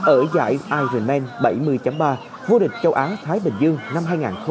ở giải ironman bảy mươi ba vô địch châu á thái bình dương năm hai nghìn một mươi chín